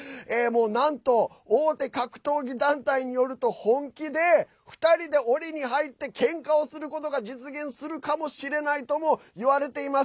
なんと大手格闘技団体によると本気で２人でおりに入ってけんかをすることが実現するかもしれないと言われています。